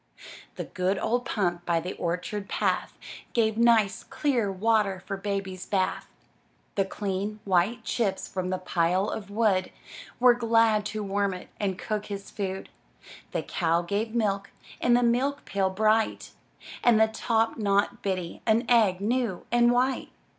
The good old pump by the orchard path, Gave nice, clear water for Baby's bath. The clean, white chips from the pile of wood Were glad to warm it and cook his food. The cow gave milk in the milk pail bright, And the top knot Biddy an egg, new and white.